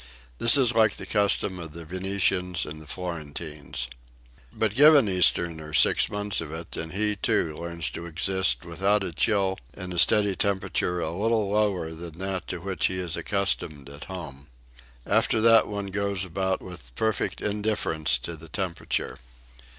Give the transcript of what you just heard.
This is like the custom of the Venetians and the Florentines. But give an Easterner six months of it, and he, too, learns to exist without a chill in a steady temperature a little lower than that to which he is accustomed at home. After that one goes about with perfect indifference to the temperature.